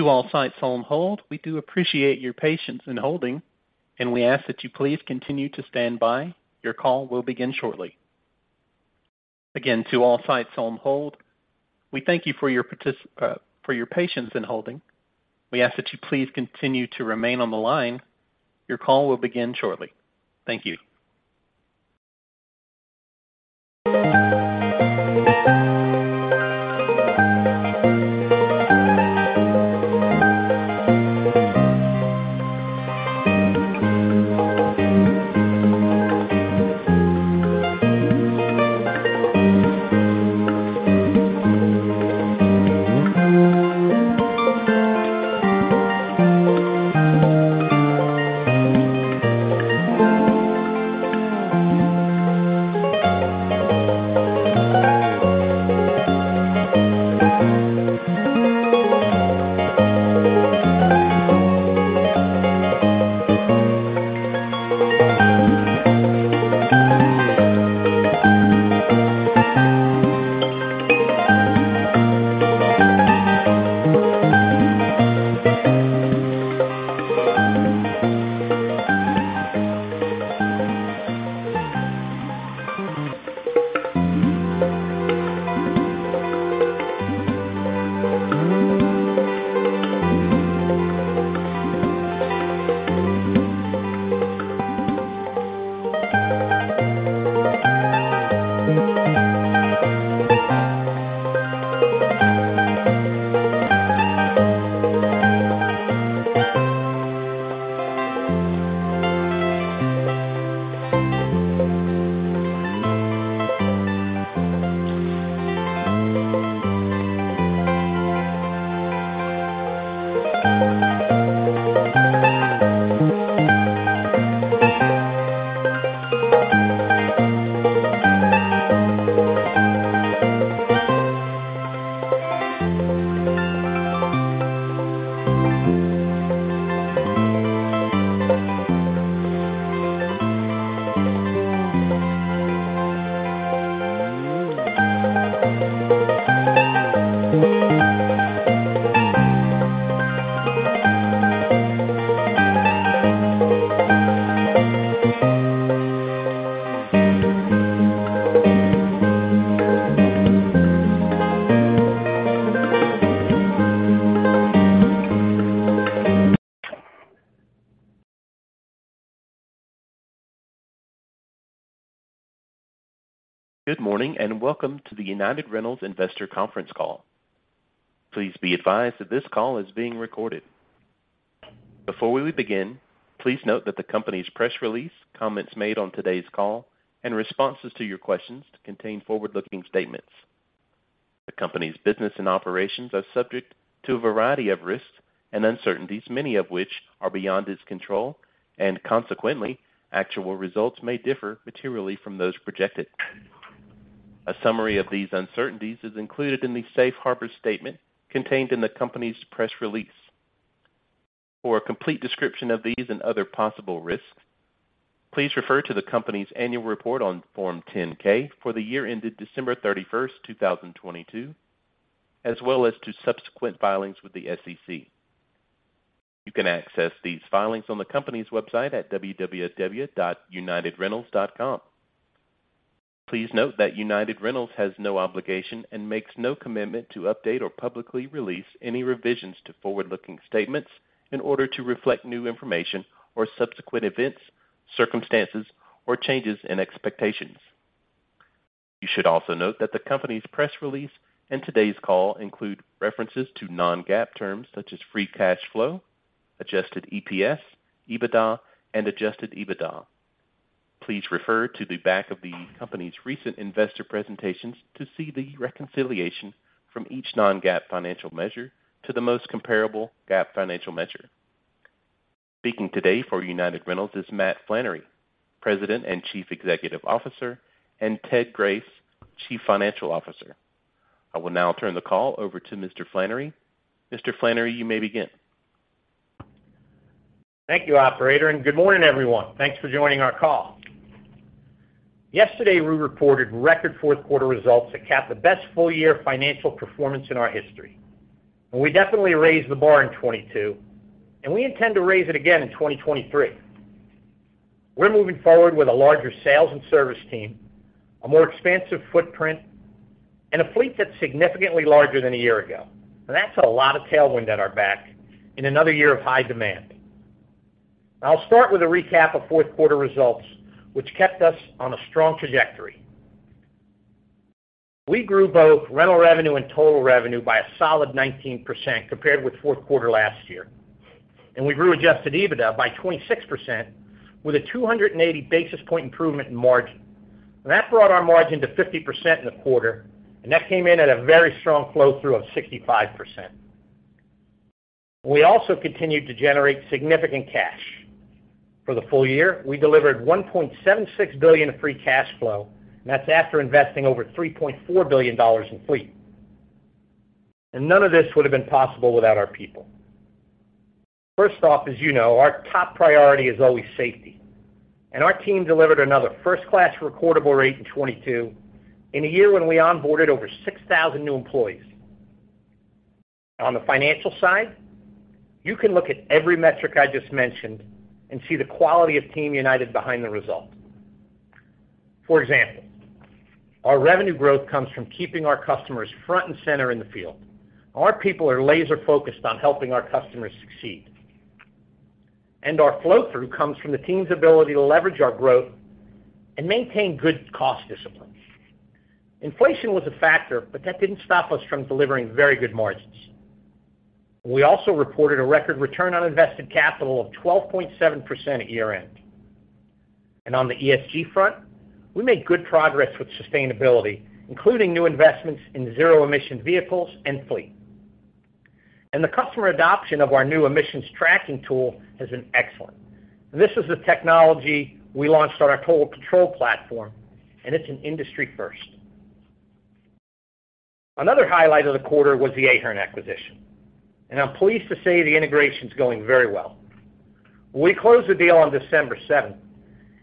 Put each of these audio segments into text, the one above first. To all sites on hold, we do appreciate your patience in holding. We ask that you please continue to stand by. Your call will begin shortly. To all sites on hold, we thank you for your patience in holding. We ask that you please continue to remain on the line. Your call will begin shortly. Thank you. Good morning, welcome to the United Rentals Investor Conference Call. Please be advised that this call is being recorded. Before we begin, please note that the company's press release, comments made on today's call, and responses to your questions contain forward-looking statements. The company's business and operations are subject to a variety of risks and uncertainties, many of which are beyond its control. Consequently, actual results may differ materially from those projected. A summary of these uncertainties is included in the safe harbor statement contained in the company's press release. For a complete description of these and other possible risks, please refer to the company's annual report on Form 10-K for the year ended December 31, 2022, as well as to subsequent filings with the SEC. You can access these filings on the company's website at www.unitedrentals.com. Please note that United Rentals has no obligation and makes no commitment to update or publicly release any revisions to forward-looking statements in order to reflect new information or subsequent events, circumstances, or changes in expectations. You should also note that the company's press release and today's call include references to non-GAAP terms such as free cash flow, adjusted EPS, EBITDA, and Adjusted EBITDA. Please refer to the back of the company's recent investor presentations to see the reconciliation from each non-GAAP financial measure to the most comparable GAAP financial measure. Speaking today for United Rentals is Matt Flannery, President and Chief Executive Officer, and Ted Grace, Chief Financial Officer. I will now turn the call over to Mr. Flannery. Mr. Flannery, you may begin. Thank you, operator, and good morning, everyone. Thanks for joining our call. Yesterday, we reported record fourth quarter results that capped the best full-year financial performance in our history. We definitely raised the bar in 2022, and we intend to raise it again in 2023. We're moving forward with a larger sales and service team, a more expansive footprint, and a fleet that's significantly larger than a year ago. That's a lot of tailwind at our back in another year of high demand. I'll start with a recap of fourth quarter results, which kept us on a strong trajectory. We grew both rental revenue and total revenue by a solid 19% compared with fourth quarter last year, and we grew Adjusted EBITDA by 26% with a 280 basis point improvement in margin. That brought our margin to 50% in the quarter, and that came in at a very strong flow-through of 65%. We also continued to generate significant cash. For the full year, we delivered $1.76 billion of free cash flow, and that's after investing over $3.4 billion in fleet. None of this would have been possible without our people. First off, as you know, our top priority is always safety, and our team delivered another first-class recordable rate in 2022 in a year when we onboarded over 6,000 new employees. On the financial side, you can look at every metric I just mentioned and see the quality of Team United behind the result. For example, our revenue growth comes from keeping our customers front and center in the field. Our people are laser-focused on helping our customers succeed. Our flow-through comes from the team's ability to leverage our growth and maintain good cost discipline. Inflation was a factor, but that didn't stop us from delivering very good margins. We also reported a record return on invested capital of 12.7% at year-end. On the ESG front, we made good progress with sustainability, including new investments in zero-emission vehicles and fleet. The customer adoption of our new emissions tracking tool has been excellent. This is the technology we launched on our Total Control platform, and it's an industry first. Another highlight of the quarter was the Ahern acquisition, and I'm pleased to say the integration's going very well. We closed the deal on December 7,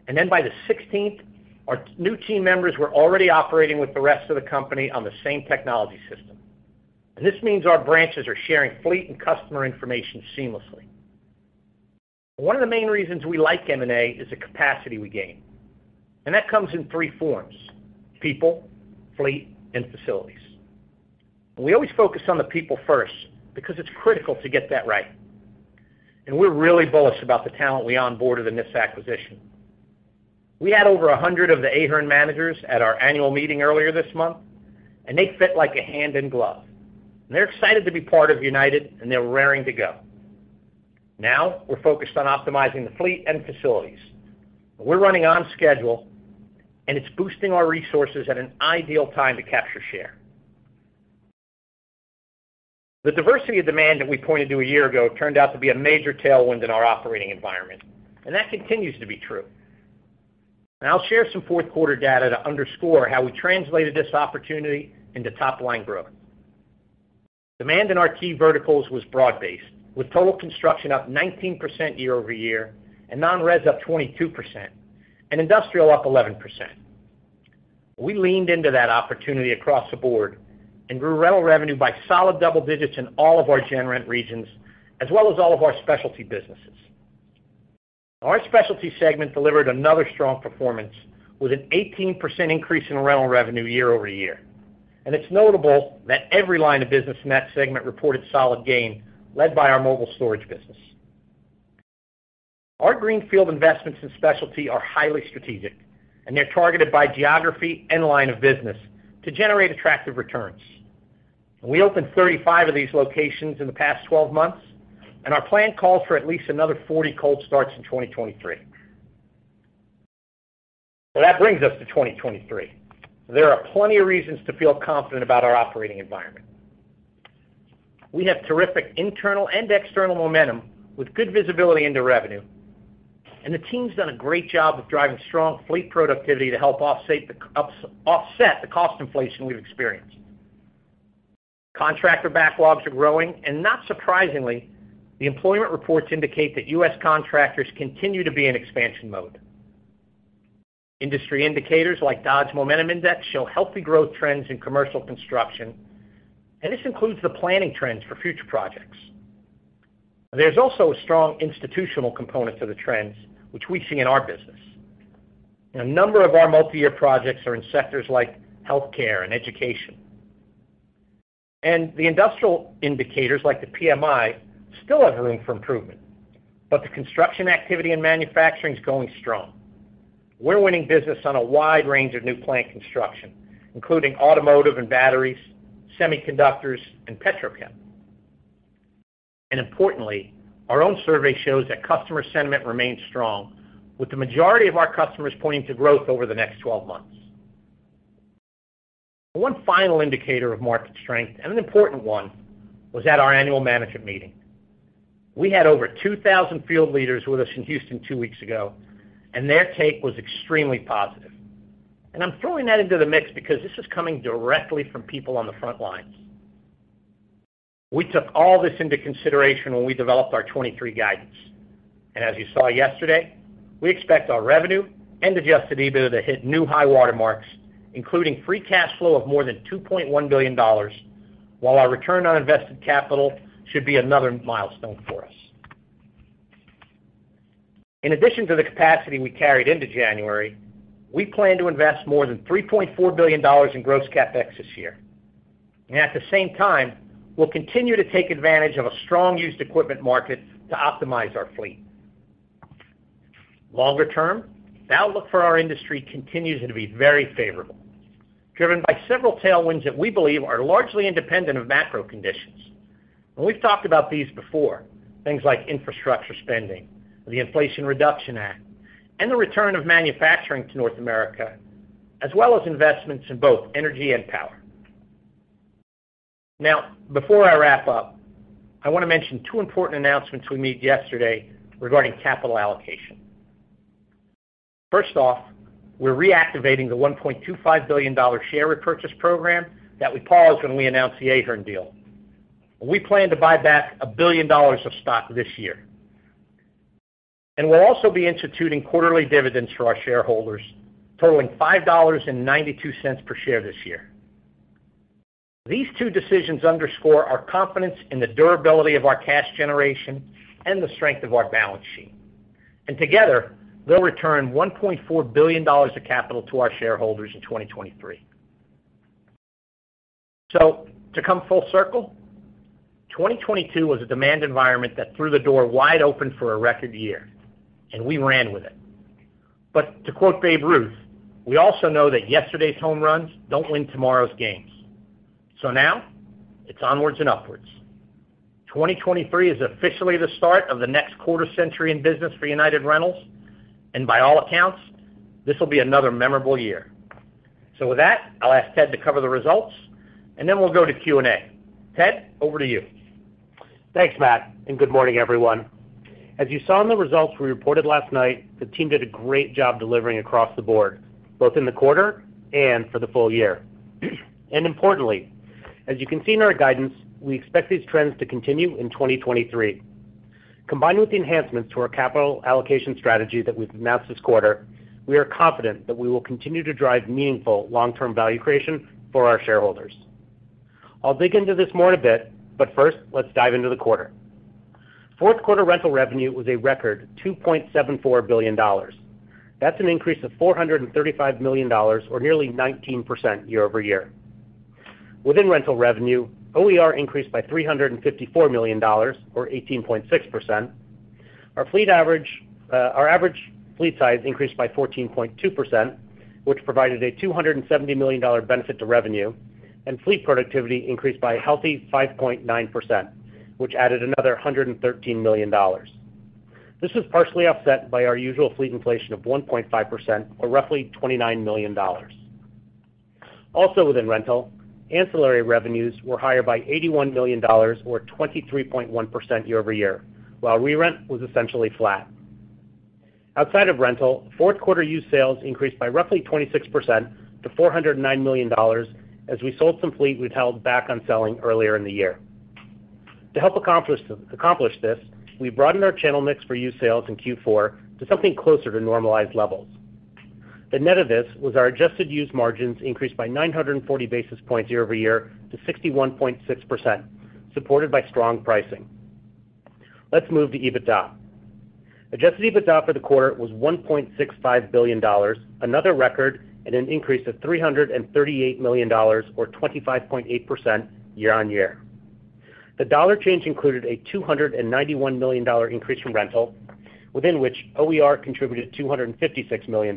and then by the 16th, our new team members were already operating with the rest of the company on the same technology system. This means our branches are sharing fleet and customer information seamlessly. One of the main reasons we like M&A is the capacity we gain, and that comes in three forms: people, fleet, and facilities. We always focus on the people first because it's critical to get that right, and we're really bullish about the talent we onboarded in this acquisition. We had over 100 of the Ahern managers at our annual meeting earlier this month, and they fit like a hand and glove. They're excited to be part of United, and they're raring to go. We're focused on optimizing the fleet and facilities. We're running on schedule, and it's boosting our resources at an ideal time to capture share. The diversity of demand that we pointed to 1 year ago turned out to be a major tailwind in our operating environment, and that continues to be true. I'll share some fourth quarter data to underscore how we translated this opportunity into top-line growth. Demand in our key verticals was broad-based, with total construction up 19% year-over-year and non-res up 22% and industrial up 11%. We leaned into that opportunity across the board and grew rental revenue by solid double digits in all of our gen rent regions as well as all of our specialty businesses. Our specialty segment delivered another strong performance with an 18% increase in rental revenue year-over-year. It's notable that every line of business in that segment reported solid gain led by our mobile storage business. Our greenfield investments in specialty are highly strategic, and they're targeted by geography and line of business to generate attractive returns. We opened 35 of these locations in the past 12 months. Our plan calls for at least another 40 cold starts in 2023. That brings us to 2023. There are plenty of reasons to feel confident about our operating environment. We have terrific internal and external momentum with good visibility into revenue. The team's done a great job of driving strong fleet productivity to help offset the cost inflation we've experienced. Contractor backlogs are growing. Not surprisingly, the employment reports indicate that U.S. contractors continue to be in expansion mode. Industry indicators like Dodge Momentum Index show healthy growth trends in commercial construction. This includes the planning trends for future projects. There's also a strong institutional component to the trends which we see in our business. A number of our multiyear projects are in sectors like healthcare and education. The industrial indicators, like the PMI, still have room for improvement, but the construction activity and manufacturing is going strong. We're winning business on a wide range of new plant construction, including automotive and batteries, semiconductors, and petrochem. Importantly, our own survey shows that customer sentiment remains strong with the majority of our customers pointing to growth over the next 12 months. One final indicator of market strength, and an important one, was at our annual management meeting. We had over 2,000 field leaders with us in Houston two weeks ago, and their take was extremely positive. I'm throwing that into the mix because this is coming directly from people on the front lines. We took all this into consideration when we developed our 2023 guidance. As you saw yesterday, we expect our revenue and Adjusted EBITDA to hit new high water marks, including free cash flow of more than $2.1 billion, while our return on invested capital should be another milestone for us. In addition to the capacity we carried into January, we plan to invest more than $3.4 billion in gross CapEx this year. At the same time, we'll continue to take advantage of a strong used equipment market to optimize our fleet. Longer term, the outlook for our industry continues to be very favorable, driven by several tailwinds that we believe are largely independent of macro conditions. We've talked about these before, things like infrastructure spending, the Inflation Reduction Act, and the return of manufacturing to North America, as well as investments in both energy and power. Now, before I wrap up, I want to mention two important announcements we made yesterday regarding capital allocation. First off, we're reactivating the $1.25 billion share repurchase program that we paused when we announced the Ahern deal. We plan to buy back $1 billion of stock this year. We'll also be instituting quarterly dividends for our shareholders, totaling $5.92 per share this year. These two decisions underscore our confidence in the durability of our cash generation and the strength of our balance sheet. Together, they'll return $1.4 billion of capital to our shareholders in 2023. To come full circle, 2022 was a demand environment that threw the door wide open for a record year, and we ran with it. To quote Babe Ruth, "We also know that yesterday's home runs don't win tomorrow's games." Now it's onwards and upwards. 2023 is officially the start of the next quarter century in business for United Rentals. By all accounts, this will be another memorable year. With that, I'll ask Ted to cover the results, and then we'll go to Q&A. Ted, over to you. Thanks, Matt, and good morning, everyone. As you saw in the results we reported last night, the team did a great job delivering across the board, both in the quarter and for the full year. Importantly, as you can see in our guidance, we expect these trends to continue in 2023. Combined with the enhancements to our capital allocation strategy that we've announced this quarter, we are confident that we will continue to drive meaningful long-term value creation for our shareholders. I'll dig into this more in a bit, first let's dive into the quarter. Fourth quarter rental revenue was a record $2.74 billion. That's an increase of $435 million or nearly 19% year-over-year. Within rental revenue, OER increased by $354 million or 18.6%. Our average fleet size increased by 14.2%, which provided a $270 million benefit to revenue, and fleet productivity increased by a healthy 5.9%, which added another $113 million. This was partially offset by our usual fleet inflation of 1.5% or roughly $29 million. Within rental, ancillary revenues were higher by $81 million or 23.1% year-over-year, while re-rent was essentially flat. Outside of rental, fourth quarter used sales increased by roughly 26% to $409 million as we sold some fleet we'd held back on selling earlier in the year. To help accomplish this, we broadened our channel mix for used sales in Q4 to something closer to normalized levels. The net of this was our adjusted used margins increased by 940 basis points year-over-year to 61.6%, supported by strong pricing. Let's move to EBITDA. Adjusted EBITDA for the quarter was $1.65 billion, another record and an increase of $338 million or 25.8% year-on-year. The dollar change included a $291 million increase from rental, within which OER contributed $256 million,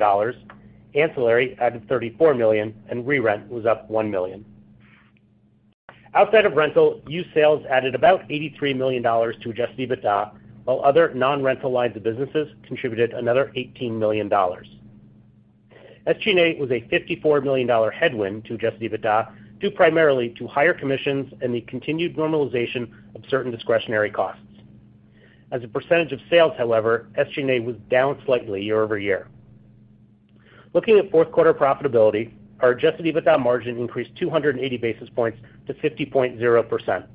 ancillary added $34 million, and re-rent was up $1 million. Outside of rental, used sales added about $83 million to Adjusted EBITDA, while other non-rental lines of businesses contributed another $18 million. SG&A was a $54 million headwind to Adjusted EBITDA, due primarily to higher commissions and the continued normalization of certain discretionary costs. As a percentage of sales, however, SG&A was down slightly year-over-year. Looking at fourth quarter profitability, our Adjusted EBITDA margin increased 280 basis points to 50.0%.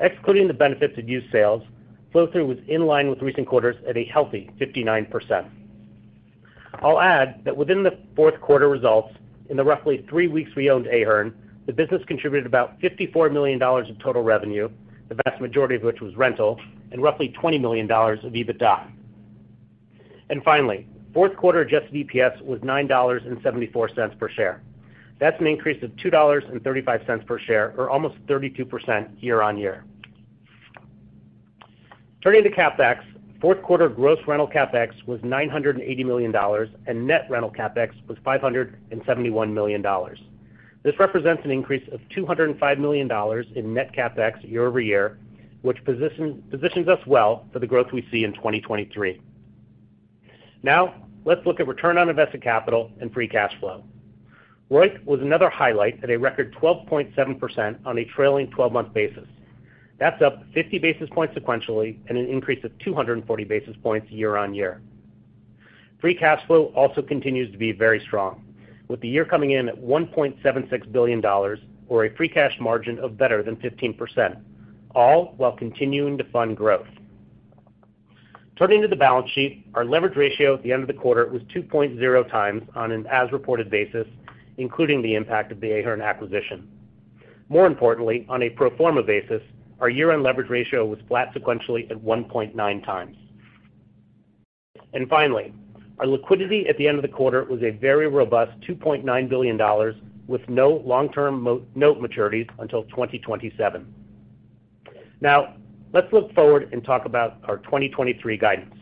Excluding the benefits of used sales, flow-through was in line with recent quarters at a healthy 59%. I'll add that within the fourth quarter results, in the roughly 3 weeks we owned Ahern, the business contributed about $54 million of total revenue, the vast majority of which was rental, and roughly $20 million of EBITDA. Finally, fourth quarter adjusted EPS was $9.74 per share. That's an increase of $2.35 per share or almost 32% year-on-year. Turning to CapEx, fourth quarter gross rental CapEx was $980 million, and net rental CapEx was $571 million. This represents an increase of $205 million in net CapEx year-over-year, which positions us well for the growth we see in 2023. Now let's look at return on invested capital and free cash flow. ROIC was another highlight at a record 12.7% on a trailing twelve-month basis. That's up 50 basis points sequentially and an increase of 240 basis points year-on-year. Free cash flow also continues to be very strong, with the year coming in at $1.76 billion or a free cash margin of better than 15%, all while continuing to fund growth. Turning to the balance sheet, our leverage ratio at the end of the quarter was 2.0 times on an as-reported basis, including the impact of the Ahern acquisition. More importantly, on a pro forma basis, our year-end leverage ratio was flat sequentially at 1.9 times. Finally, our liquidity at the end of the quarter was a very robust $2.9 billion, with no long-term note maturities until 2027. Let's look forward and talk about our 2023 guidance.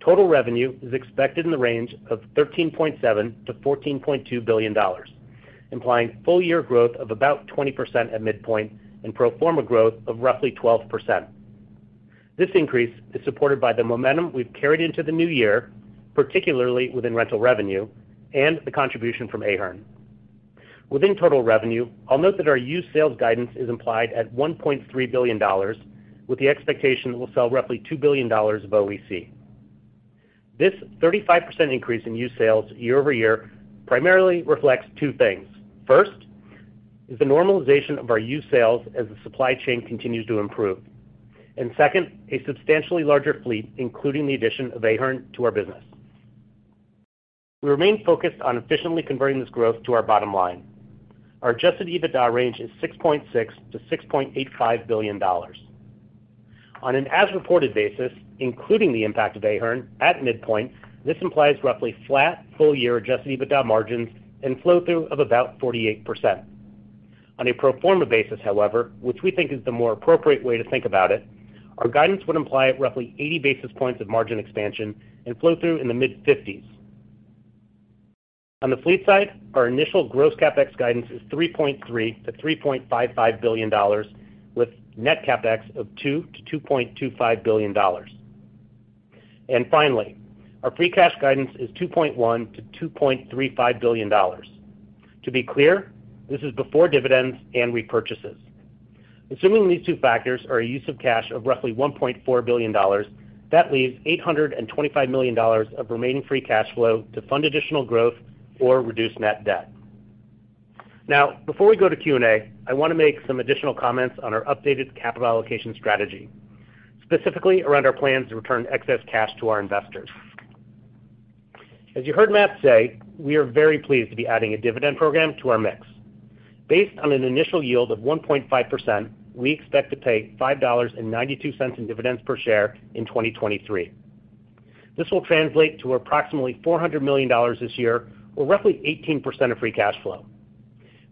Total revenue is expected in the range of $13.7 billion-$14.2 billion, implying full year growth of about 20% at midpoint and pro forma growth of roughly 12%. This increase is supported by the momentum we've carried into the new year, particularly within rental revenue and the contribution from Ahern. Within total revenue, I'll note that our used sales guidance is implied at $1.3 billion, with the expectation that we'll sell roughly $2 billion of OEC. This 35% increase in used sales year-over-year primarily reflects two things. First is the normalization of our used sales as the supply chain continues to improve, and second, a substantially larger fleet, including the addition of Ahern to our business. We remain focused on efficiently converting this growth to our bottom line. Our adjusted EBITDA range is $6.6 billion-$6.85 billion. On an as-reported basis, including the impact of Ahern at midpoint, this implies roughly flat full-year Adjusted EBITDA margins and flow-through of about 48%. On a pro forma basis, however, which we think is the more appropriate way to think about it, our guidance would imply roughly 80 basis points of margin expansion and flow-through in the mid-50s. On the fleet side, our initial gross CapEx guidance is $3.3 billion-$3.55 billion, with net CapEx of $2 billion-$2.25 billion. Finally, our free cash guidance is $2.1 billion-$2.35 billion. To be clear, this is before dividends and repurchases. Assuming these two factors are a use of cash of roughly $1.4 billion, that leaves $825 million of remaining free cash flow to fund additional growth or reduce net debt. Before we go to Q&A, I want to make some additional comments on our updated capital allocation strategy, specifically around our plans to return excess cash to our investors. As you heard Matt say, we are very pleased to be adding a dividend program to our mix. Based on an initial yield of 1.5%, we expect to pay $5.92 in dividends per share in 2023. This will translate to approximately $400 million this year, or roughly 18% of free cash flow.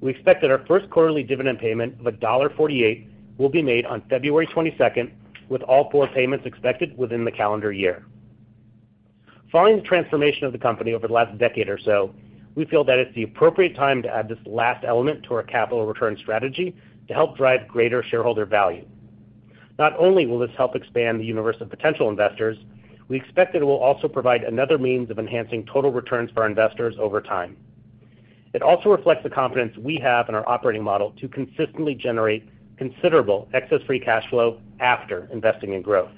We expect that our first quarterly dividend payment of $1.48 will be made on February 22nd, with all four payments expected within the calendar year. Following the transformation of the company over the last decade or so, we feel that it's the appropriate time to add this last element to our capital return strategy to help drive greater shareholder value. Not only will this help expand the universe of potential investors, we expect that it will also provide another means of enhancing total returns for our investors over time. It also reflects the confidence we have in our operating model to consistently generate considerable excess free cash flow after investing in growth.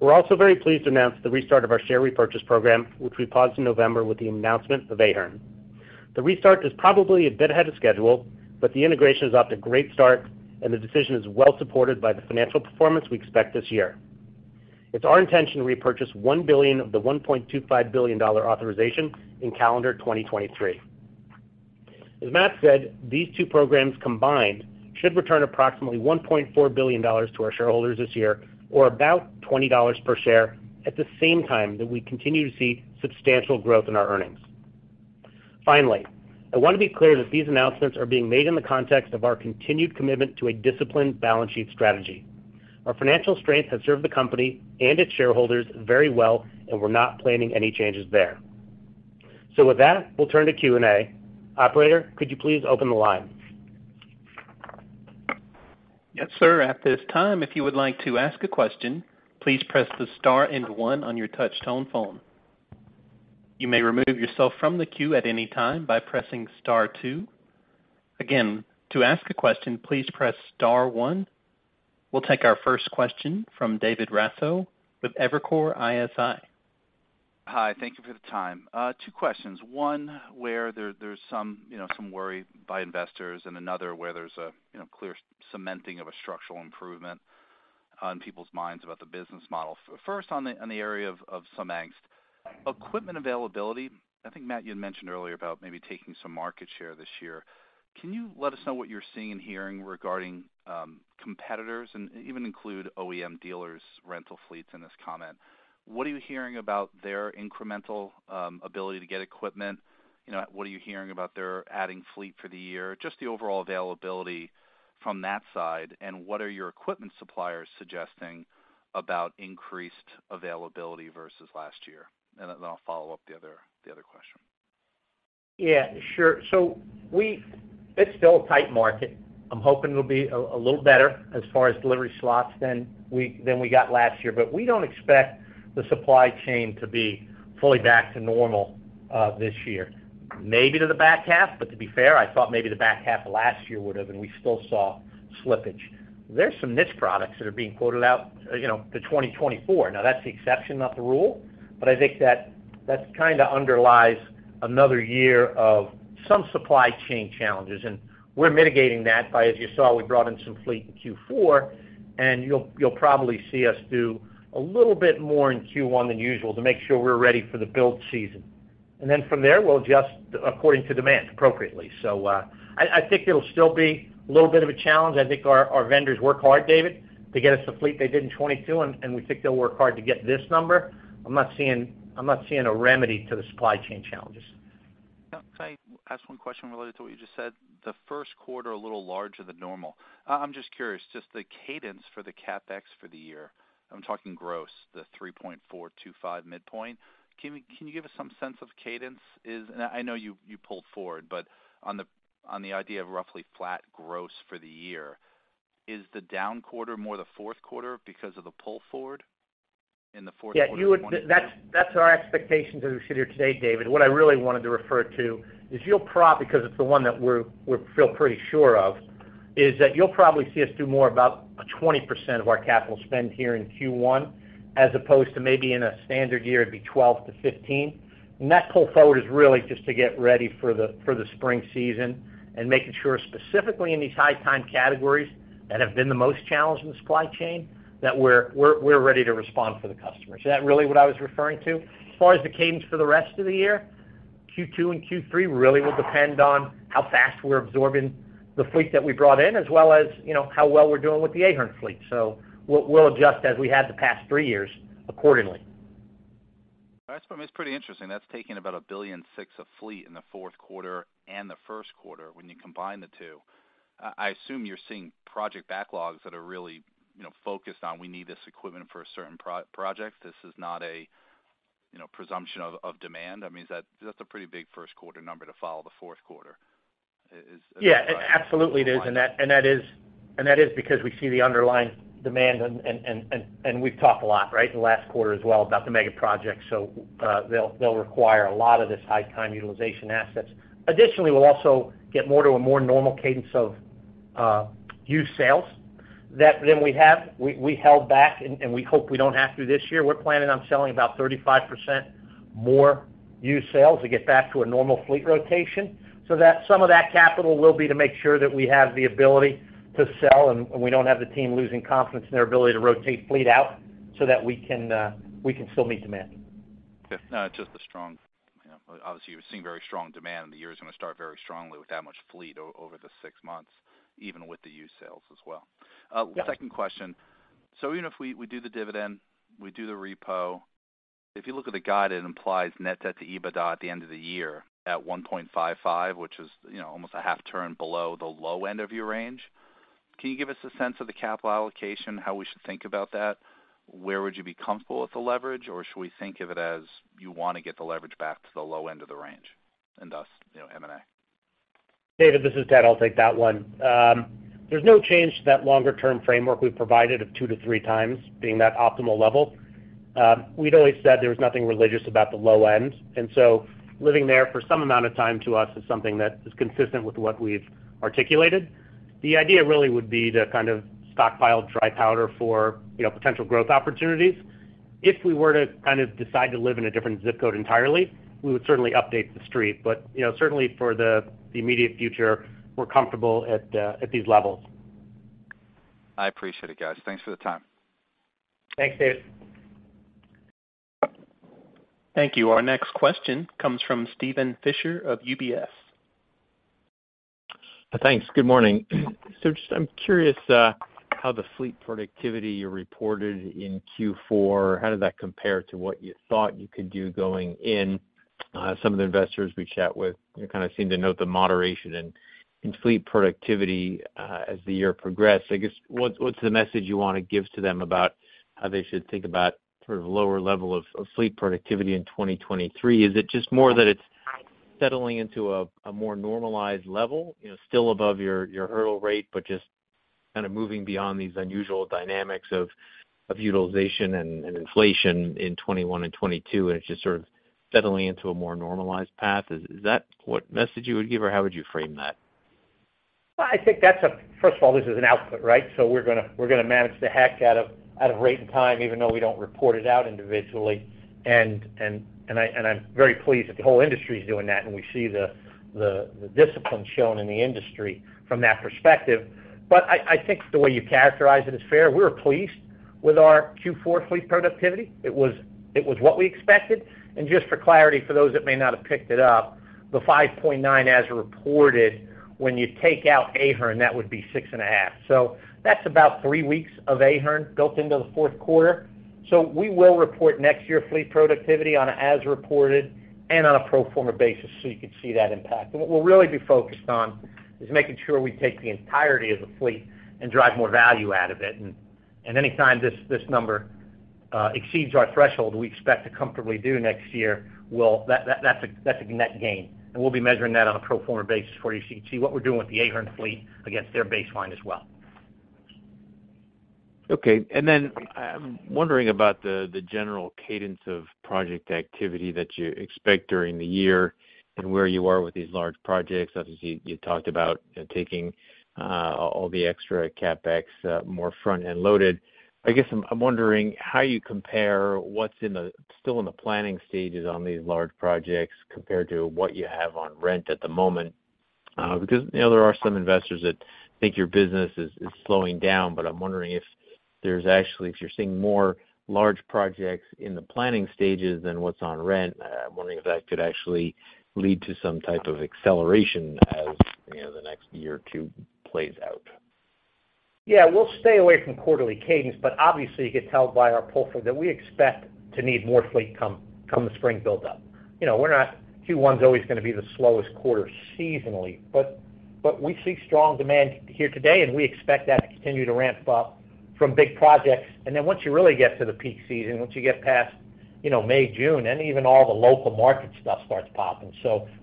We're also very pleased to announce the restart of our share repurchase program, which we paused in November with the announcement of Ahern. The restart is probably a bit ahead of schedule, but the integration is off to a great start, and the decision is well supported by the financial performance we expect this year. It's our intention to repurchase $1 billion of the $1.25 billion authorization in calendar 2023. As Matt said, these two programs combined should return approximately $1.4 billion to our shareholders this year, or about $20 per share, at the same time that we continue to see substantial growth in our earnings. I want to be clear that these announcements are being made in the context of our continued commitment to a disciplined balance sheet strategy. Our financial strength has served the company and its shareholders very well. We're not planning any changes there. With that, we'll turn to Q&A. Operator, could you please open the line? Yes, sir. At this time, if you would like to ask a question, please press the star one on your touch-tone phone. You may remove yourself from the queue at any time by pressing star two. Again, to ask a question, please press star one. We'll take our first question from David Raso with Evercore ISI. Hi. Thank you for the time. Two questions. One where there's some, you know, some worry by investors and another where there's a, you know, clear cementing of a structural improvement on people's minds about the business model. First on the area of some angst. Equipment availability, I think, Matt, you had mentioned earlier about maybe taking some market share this year. Can you let us know what you're seeing and hearing regarding competitors and even include OEM dealers rental fleets in this comment? What are you hearing about their incremental ability to get equipment? You know, what are you hearing about their adding fleet for the year? Just the overall availability from that side, and what are your equipment suppliers suggesting about increased availability versus last year? I'll follow up the other question. Yeah, sure. It's still a tight market. I'm hoping it'll be a little better as far as delivery slots than we got last year, but we don't expect the supply chain to be fully back to normal this year. Maybe to the back half, to be fair, I thought maybe the back half of last year would have, and we still saw slippage. There's some niche products that are being quoted out, you know, to 2024. That's the exception, not the rule, I think that that kind of underlies another year of some supply chain challenges, and we're mitigating that by, as you saw, we brought in some fleet in Q4, and you'll probably see us do a little bit more in Q1 than usual to make sure we're ready for the build season. From there, we'll adjust according to demand appropriately. I think it'll still be a little bit of a challenge. I think our vendors work hard, David, to get us the fleet they did in 2022, and we think they'll work hard to get this number. I'm not seeing a remedy to the supply chain challenges. Yeah. Can I ask one question related to what you just said? The first quarter, a little larger than normal. I'm just curious, just the cadence for the CapEx for the year, I'm talking gross, the $3.425 midpoint. Can you give us some sense of cadence is? I know you pulled forward, but on the idea of roughly flat gross for the year, is the down quarter more the fourth quarter because of the pull forward? Yeah, that's our expectations as we sit here today, David. What I really wanted to refer to is because it's the one that we feel pretty sure of, is that you'll probably see us do more about a 20% of our capital spend here in Q1, as opposed to maybe in a standard year, it'd be 12-15%. That pull forward is really just to get ready for the spring season and making sure, specifically in these high-time categories that have been the most challenged in the supply chain, that we're ready to respond for the customers. Is that really what I was referring to? As far as the cadence for the rest of the year, Q2 and Q3 really will depend on how fast we're absorbing the fleet that we brought in, as well as, you know, how well we're doing with the Ahern fleet. We'll adjust as we have the past three years accordingly. That's pretty interesting. That's taking about $1.6 billion of fleet in the fourth quarter and the first quarter when you combine the two. I assume you're seeing project backlogs that are really, you know, focused on, we need this equipment for a certain project. This is not a, you know, presumption of demand. I mean, that's a pretty big first quarter number to follow the fourth quarter. Is that right? Yeah, it absolutely is. That is because we see the underlying demand and we've talked a lot in the last quarter as well about the mega projects. They'll require a lot of this high time utilization assets. Additionally, we'll also get more to a more normal cadence of used sales than we have. We held back and we hope we don't have to this year. We're planning on selling about 35% more used sales to get back to a normal fleet rotation, so that some of that capital will be to make sure that we have the ability to sell, and we don't have the team losing confidence in their ability to rotate fleet out so that we can still meet demand. Yeah. No, just a strong, you know, obviously, you're seeing very strong demand, the year is going to start very strongly with that much fleet over the six months, even with the used sales as well. Yeah. Second question. Even if we do the dividend, we do the repo, if you look at the guide, it implies net debt to EBITDA at the end of the year at 1.55, which is, you know, almost a half turn below the low end of your range. Can you give us a sense of the capital allocation, how we should think about that? Where would you be comfortable with the leverage, or should we think of it as you wanna get the leverage back to the low end of the range and thus, you know, M&A? David, this is Ted, I'll take that one. There's no change to that longer term framework we've provided of 2-3 times being that optimal level. We'd always said there was nothing religious about the low end. Living there for some amount of time to us is something that is consistent with what we've articulated. The idea really would be to kind of stockpile dry powder for, you know, potential growth opportunities. If we were to kind of decide to live in a different zip code entirely, we would certainly update the street. You know, certainly for the immediate future, we're comfortable at these levels. I appreciate it, guys. Thanks for the time. Thanks, David. Thank you. Our next question comes from Steven Fisher of UBS. Thanks. Good morning. Just I'm curious, how the fleet productivity you reported in Q4, how did that compare to what you thought you could do going in? Some of the investors we chat with, they kinda seem to note the moderation in fleet productivity as the year progressed. I guess, what's the message you wanna give to them about how they should think about sort of lower level of fleet productivity in 2023? Is it just more that it's settling into a more normalized level, you know, still above your hurdle rate, but just kind of moving beyond these unusual dynamics of utilization and inflation in 2021 and 2022, and it's just sort of settling into a more normalized path? Is that what message you would give, or how would you frame that? I think that's a first of all, this is an output, right? We're gonna manage the heck out of rate and time, even though we don't report it out individually. I'm very pleased that the whole industry is doing that, and we see the discipline shown in the industry from that perspective. I think the way you characterize it is fair. We're pleased with our Q4 fleet productivity. It was what we expected. Just for clarity, for those that may not have picked it up, the 5.9 as reported when you take out Ahern, that would be 6.5. That's about three weeks of Ahern built into the fourth quarter. We will report next year fleet productivity on a as reported and on a pro forma basis, so you can see that impact. What we'll really be focused on is making sure we take the entirety of the fleet and drive more value out of it. Anytime this number exceeds our threshold, we expect to comfortably do next year, that's a net gain. We'll be measuring that on a pro forma basis for you so you can see what we're doing with the Ahern fleet against their baseline as well. Okay. Then I'm wondering about the general cadence of project activity that you expect during the year and where you are with these large projects. Obviously, you talked about, you know, taking all the extra CapEx more front-end loaded. I guess I'm wondering how you compare what's still in the planning stages on these large projects compared to what you have on rent at the moment. Because, you know, there are some investors that think your business is slowing down, but I'm wondering if there's actually, if you're seeing more large projects in the planning stages than what's on rent, I'm wondering if that could actually lead to some type of acceleration as, you know, the next year or two plays out. Yeah, we'll stay away from quarterly cadence. Obviously, you could tell by our pull forward that we expect to need more fleet come the spring buildup. You know, Q1's always gonna be the slowest quarter seasonally, but we see strong demand here today. We expect that to continue to ramp up from big projects. Once you really get to the peak season, once you get past, you know, May, June, even all the local market stuff starts popping.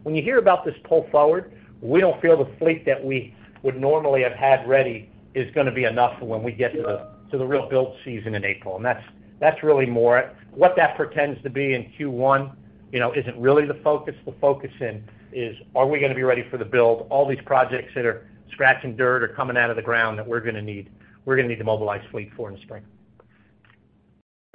When you hear about this pull forward, we don't feel the fleet that we would normally have had ready is gonna be enough for when we get to the real build season in April. That's really more. What that portends to be in Q1, you know, isn't really the focus. The focus in is, are we gonna be ready for the build? All these projects that are scratching dirt or coming out of the ground that we're gonna need, we're gonna need to mobilize fleet for in the spring.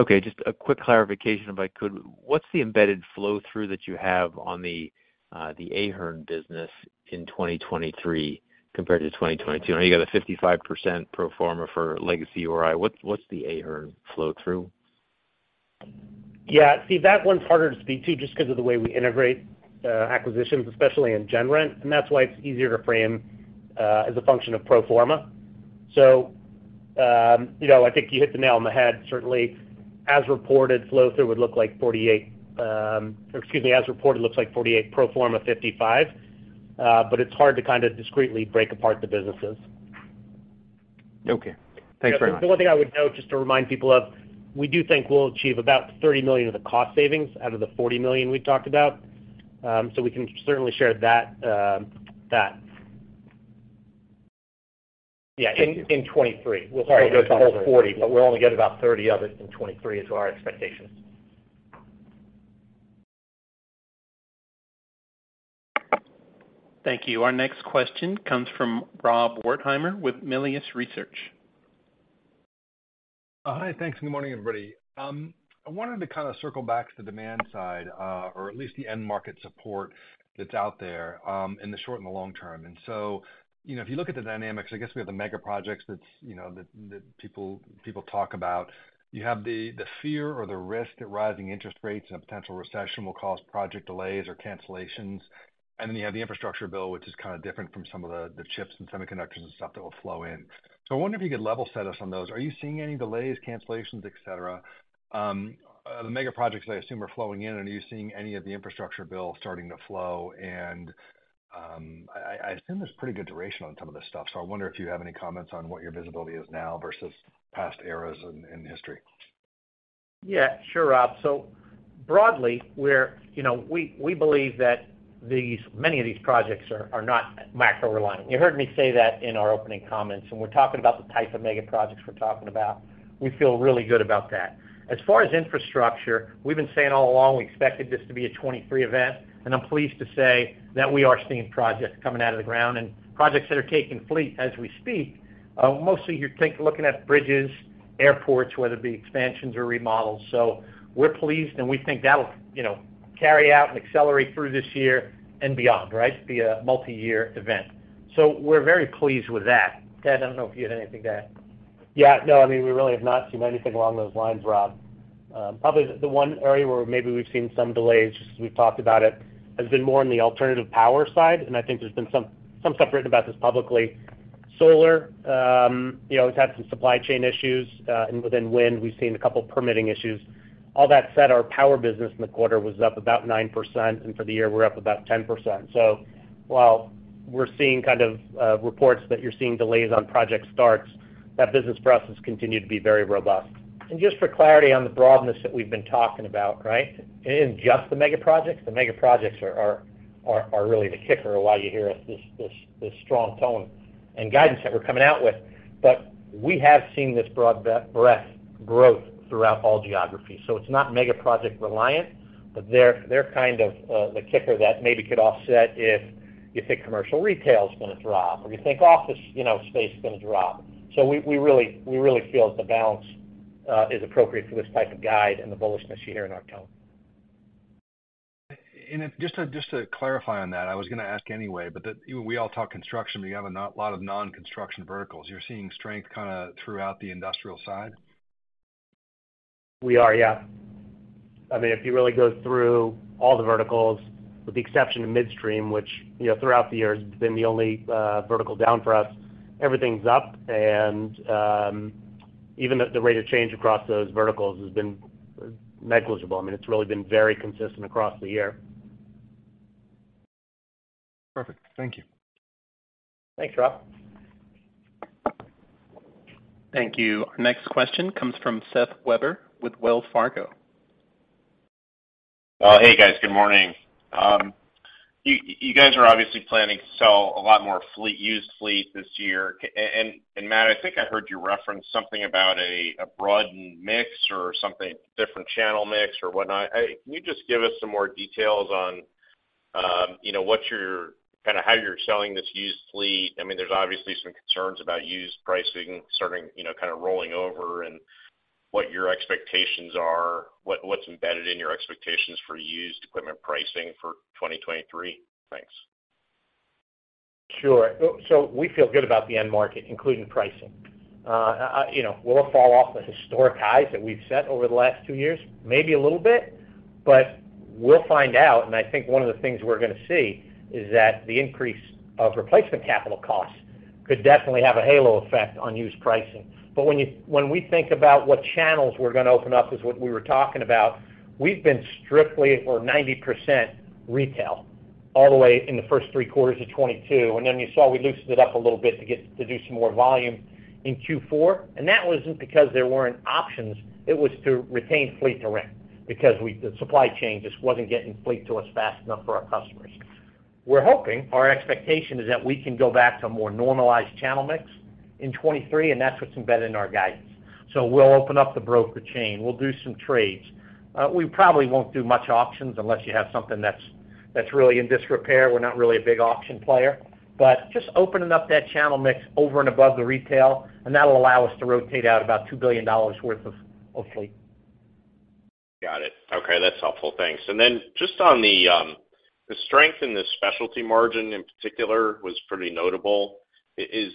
Okay, just a quick clarification, if I could. What's the embedded flow-through that you have on the Ahern business in 2023 compared to 2022? I know you got a 55% pro forma for legacy URI. What's the Ahern flow-through? Yeah. See, that one's harder to speak to just 'cause of the way we integrate acquisitions, especially in gen rent, and that's why it's easier to frame as a function of pro forma. You know, I think you hit the nail on the head. Certainly, as reported, flow-through would look like 48%. Or excuse me, as reported, looks like 48, pro forma 55. It's hard to kind of discreetly break apart the businesses. Okay. Thanks very much. The one thing I would note just to remind people of, we do think we'll achieve about $30 million of the cost savings out of the $40 million we've talked about. We can certainly share that. Yeah. Thank you. In, in 23. Sorry, We'll still get the full 40, but we'll only get about 30 of it in 23 is our expectation. Thank you. Our next question comes from Rob Wertheimer with Melius Research. Hi. Thanks, and good morning, everybody. I wanted to kind of circle back to the demand side, or at least the end market support that's out there, in the short and the long term. You know, if you look at the dynamics, I guess, we have the mega projects that's, you know, that people talk about. You have the fear or the risk that rising interest rates and a potential recession will cause project delays or cancellations. Then you have the infrastructure bill, which is kind of different from some of the chips and semiconductors and stuff that will flow in. I wonder if you could level set us on those. Are you seeing any delays, cancellations, et cetera? The mega projects I assume are flowing in, and are you seeing any of the infrastructure bill starting to flow? I assume there's pretty good duration on some of this stuff, so I wonder if you have any comments on what your visibility is now versus past eras in history. Yeah. Sure, Rob. Broadly, we, you know, we believe that many of these projects are not macro reliant. You heard me say that in our opening comments, and we're talking about the type of mega projects we're talking about. We feel really good about that. As far as infrastructure, we've been saying all along we expected this to be a 2023 event, and I'm pleased to say that we are seeing projects coming out of the ground and projects that are taking fleet as we speak. Mostly you're looking at bridges, airports, whether it be expansions or remodels. We're pleased, and we think that'll, you know, carry out and accelerate through this year and beyond, right? Be a multiyear event. We're very pleased with that. Ted, I don't know if you had anything to add. Yeah. No, I mean, we really have not seen anything along those lines, Rob. Probably the one area where maybe we've seen some delays, we've talked about it, has been more on the alternative power side, and I think there's been some stuff written about this publicly. Solar, you know, has had some supply chain issues, and within wind, we've seen a couple permitting issues. All that said, our power business in the quarter was up about 9%, and for the year, we're up about 10%. While we're seeing kind of, reports that you're seeing delays on project starts, that business for us has continued to be very robust. Just for clarity on the broadness that we've been talking about, right? It isn't just the mega projects. The mega projects are really the kicker why you hear us this strong tone and guidance that we're coming out with. We have seen this broad breadth growth throughout all geographies. It's not mega project reliant, but they're kind of the kicker that maybe could offset if you think commercial retail is gonna drop, or you think office, you know, space is gonna drop. We really feel that the balance is appropriate for this type of guide and the bullishness you hear in our tone. If just to clarify on that, I was going to ask anyway, we all talk construction, but you have a lot of non-construction verticals. You're seeing strength kind of throughout the industrial side? We are, yeah. I mean, if you really go through all the verticals, with the exception of midstream, which, you know, throughout the year has been the only vertical down for us, everything's up. Even the rate of change across those verticals has been negligible. I mean, it's really been very consistent across the year. Perfect. Thank you. Thanks, Rob. Thank you. Our next question comes from Seth Weber with Wells Fargo. Hey, guys. Good morning. You guys are obviously planning to sell a lot more fleet, used fleet this year. Matt, I think I heard you reference something about a broadened mix or something different channel mix or whatnot. Can you just give us some more details on, you know, kinda how you're selling this used fleet? I mean, there's obviously some concerns about used pricing starting, you know, kind of rolling over and what your expectations are, what's embedded in your expectations for used equipment pricing for 2023? Thanks. Sure. We feel good about the end market, including pricing. You know, will it fall off the historic highs that we've set over the last two years? Maybe a little bit, but we'll find out. I think one of the things we're gonna see is that the increase of replacement capital costs could definitely have a halo effect on used pricing. When we think about what channels we're gonna open up is what we were talking about, we've been strictly or 90% retail. All the way in the first 3 quarters of 2022, and then you saw we loosened it up a little bit to do some more volume in Q4. That wasn't because there weren't options, it was to retain fleet to rent because the supply chain just wasn't getting fleet to us fast enough for our customers. We're hoping, our expectation is that we can go back to a more normalized channel mix in 2023, and that's what's embedded in our guidance. We'll open up the broker chain. We'll do some trades. We probably won't do much auctions unless you have something that's really in disrepair. We're not really a big auction player. Just opening up that channel mix over and above the retail, and that'll allow us to rotate out about $2 billion worth of fleet. Got it. Okay. That's helpful. Thanks. Just on the strength in the specialty margin in particular was pretty notable. You know,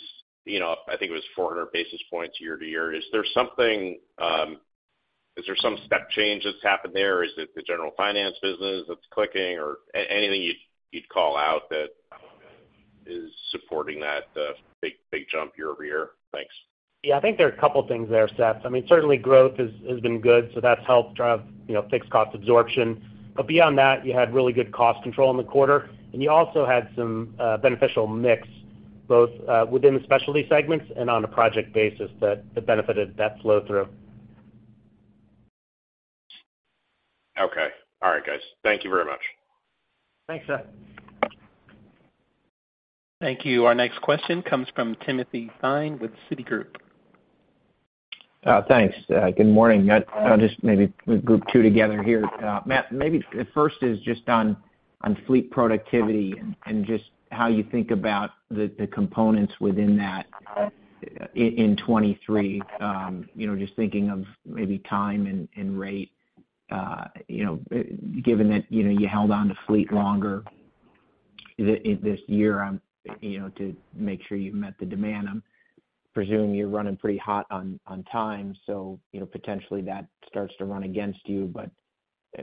I think it was 400 basis points year-to-year. Is there something, is there some step change that's happened there? Is it the General Finance business that's clicking? Or anything you'd call out that is supporting that big jump year-over-year? Thanks. I think there are a couple things there, Seth. I mean, certainly growth has been good, so that's helped drive, you know, fixed cost absorption. Beyond that, you had really good cost control in the quarter, and you also had some beneficial mix both within the specialty segments and on a project basis that benefited that flow-through. All right, guys. Thank you very much. Thanks, Seth. Thank you. Our next question comes from Timothy Thein with Citigroup. Thanks. Good morning. I'll just maybe group two together here. Matt Flannery, maybe the first is just on fleet productivity and just how you think about the components within that in 2023. You know, just thinking of maybe time and rate, you know, given that, you know, you held onto fleet longer this year, you know, to make sure you met the demand. I'm presuming you're running pretty hot on time, so, you know, potentially that starts to run against you.